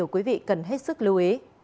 quý vị cần hết sức lưu ý